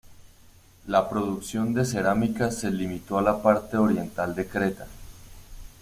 La producción de cerámica se limitó a la parte oriental de Creta.